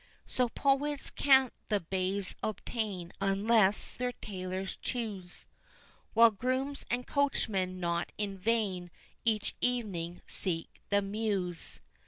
So poets can't the baize obtain, unless their tailors choose; While grooms and coachmen not in vain each evening seek the Mews.